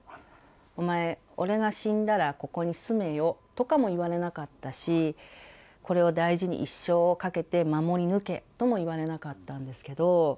お前、俺が死んだらここに住めよとかも言われなかったし、これを大事に一生をかけて守り抜けとも言われなかったんですけど。